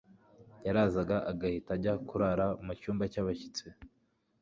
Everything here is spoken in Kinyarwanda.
yarazaga agahita ajya kurara mu cyumba cy abashyitsi